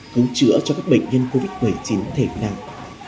cứu chữa cho các bệnh nhân covid một mươi chín thể nặng